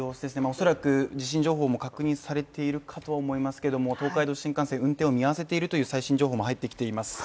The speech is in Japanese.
恐らく地震情報も確認されているとは思いますけども東海道新幹線、運転を見合わせているという最新情報も入ってきています。